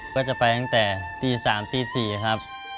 ก็จะไปตั้งแต่ตี๓ตี๔ครับ